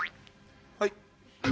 はい。